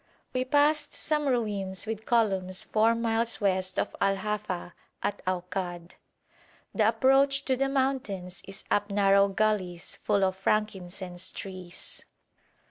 We passed some ruins with columns four miles west of Al Hafa at Aukad. The approach to the mountains is up narrow gulleys full of frankincense trees.